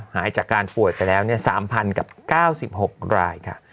หายจากการป่วยไปแล้ว๓๐๐กับ๙๖รายค่ะ